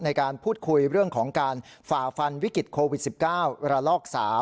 ในการพูดคุยเรื่องของการฝ่าฟันวิกฤตโควิด๑๙ระลอก๓